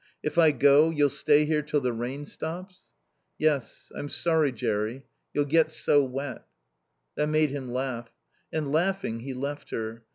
"If I go, you'll stay here till the rain stops?" "Yes. I'm sorry, Jerry. You'll get so wet." That made him laugh. And, laughing, he left her.